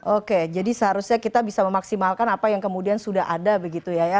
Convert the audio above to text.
oke jadi seharusnya kita bisa memaksimalkan apa yang kemudian sudah ada begitu ya